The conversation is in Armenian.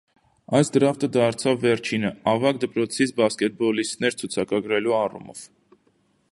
Այս դրաֆթը դարձավ վերջինը՝ ավագ դպրոցից բասկետբոլիստներ ցուցակագրելու առումով։